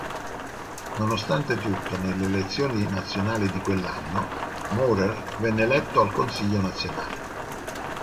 Nonostante tutto nelle elezioni nazionali di quell'anno, Maurer venne eletto al Consiglio nazionale.